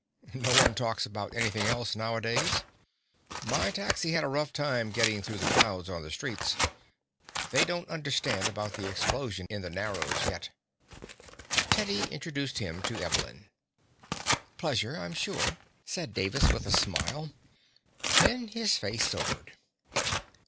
No one talks about anything else nowadays. My taxi had a tough time getting through the crowds on the streets. They don't understand about the explosion in the Narrows yet." Teddy introduced him to Evelyn. "Pleasure, I'm sure," said Davis with a smile. Then his face sobered.